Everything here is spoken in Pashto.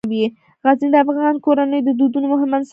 غزني د افغان کورنیو د دودونو مهم عنصر دی.